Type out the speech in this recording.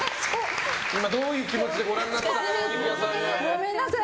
今どういう気持ちでご覧になっていたか。